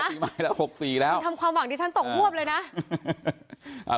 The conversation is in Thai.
ปีใหม่แล้วหกสี่แล้วคุณทำความหวังที่ฉันตกฮวบเลยน่ะอ่า